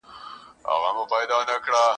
جهاني اوس دي په کوڅو کي پلونه نه وینمه !.